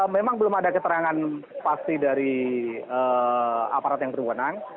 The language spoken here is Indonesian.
memang belum ada keterangan pasti dari aparat yang berwenang